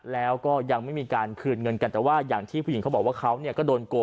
แล้วก็ยังไม่มีการคืนเงินกันแต่ว่าอย่างที่ผู้หญิงเขาบอกว่าเขาก็โดนโกง